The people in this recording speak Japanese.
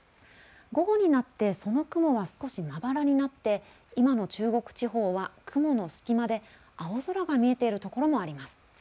午後になってその雲は少しまばらになって今の中国地方は雲の隙間で青空が見えている所もあります。